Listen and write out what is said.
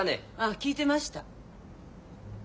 聞いてました。